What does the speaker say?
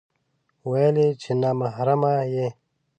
ويل يې چې نا محرمه يې